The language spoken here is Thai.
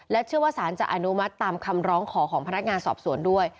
เชื่อว่าสารจะอนุมัติตามคำร้องขอของพนักงานสอบสวนด้วย